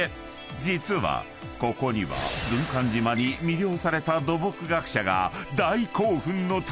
［実はここには軍艦島に魅了された土木学者が］